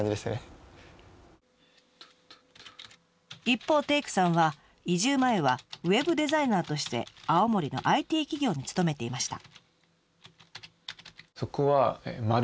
一方テイクさんは移住前はウェブデザイナーとして青森のＩＴ企業に勤めていました。